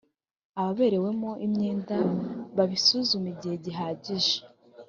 ababerewemo imyenda babisuzume igihe gihagije